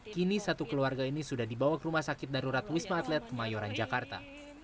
kini satu keluarga ini sudah dibawa ke rumah sakit darurat wisma atlet kemayoran jakarta